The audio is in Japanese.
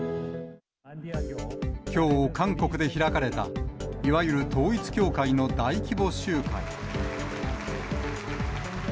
きょう、韓国で開かれた、いわゆる統一教会の大規模集会。